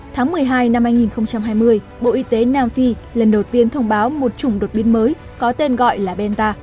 tháng một mươi hai năm hai nghìn hai mươi bộ y tế nam phi lần đầu tiên thông báo một chủng đột biến mới có tên gọi là benta